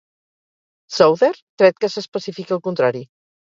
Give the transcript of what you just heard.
Souther, tret que s'especifiqui el contrari.